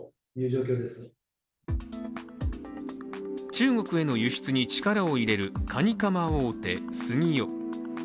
中国への輸出に力を入れるカニカマ大手・スギヨ。